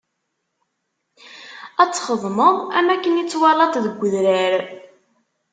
Ad txedmeḍ am akken i t-twalaḍ-t deg udrar.